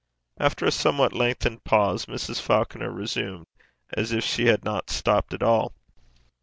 After a somewhat lengthened pause, Mrs. Falconer resumed as if she had not stopped at all.